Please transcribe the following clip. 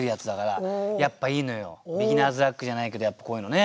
ビギナーズラックじゃないけどやっぱこういうのね。